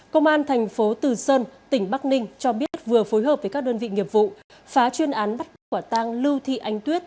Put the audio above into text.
công an thành phố từ sơn tỉnh bắc ninh cho biết vừa phối hợp với các đơn vị nghiệp vụ phá chuyên án bắt quả tang lưu thị ánh tuyết